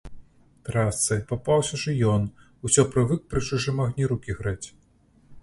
Трасцы, папаўся ж і ён, усё прывык пры чужым агні рукі грэць.